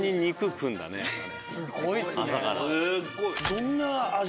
どんな味？